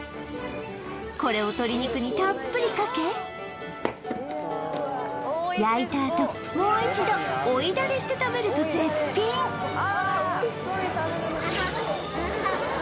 これを鶏肉にたっぷりかけ焼いたあともう一度追いダレして食べると絶品えっ！？